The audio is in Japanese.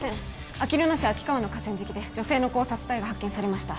あきる野市秋川の河川敷で女性の絞殺体が発見されました